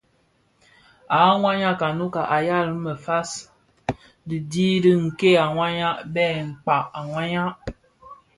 A wayag a Nnouka a yal mefas le dhi Nke a wayag bè Mkpag a wayag.